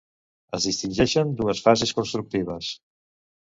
Es distingeixen dues fases constructives.